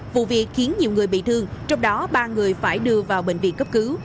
vụ việc khiến nhiều người bị thương trong đó ba người phải đưa vào bệnh viện cấp cứu